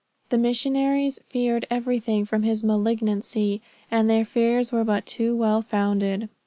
The missionaries feared everything from his malignancy; and their fears were but too well founded.